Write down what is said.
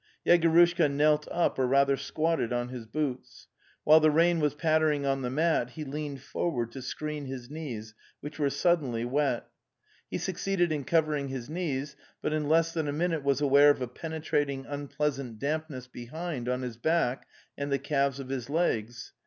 Yegorushka knelt up or rather squatted on his boots. While the rain was pattering on the mat, he leaned forward to screen his knees, which were sud denly wet. He succeeded in covering his knees, but in less than a minute was aware of a penetrating, un pleasant dampness behind on his back and the calves of his legs.